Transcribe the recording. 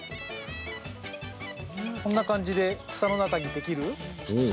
こんな感じで草の中にできる？